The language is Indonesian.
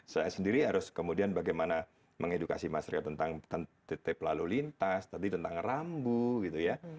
saya sendiri harus kemudian bagaimana mengedukasi masyarakat tentang tertib lalu lintas tentang rambu gitu ya